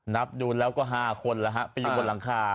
นับดูแล้วก็๕คนแล้วฮะไปอยู่บนหลังคา